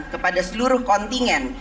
kepada seluruh kontingen